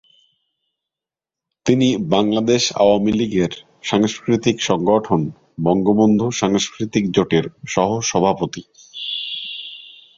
তিনি বাংলাদেশ আওয়ামী লীগের সাংস্কৃতিক সংগঠন বঙ্গবন্ধু সাংস্কৃতিক জোটের সহ-সভাপতি।